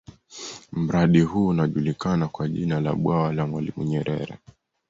Mradi huu unajulikana kwa jina la Bwawa la mwalimu nyerere